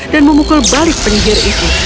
dan memukul balik penyihir itu